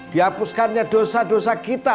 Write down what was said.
dihapuskannya dosa dosa kita